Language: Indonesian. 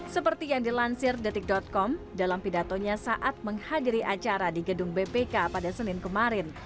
seperti yang dilansir detik com dalam pidatonya saat menghadiri acara di gedung bpk pada senin kemarin